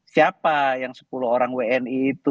siapa yang sepuluh orang wni itu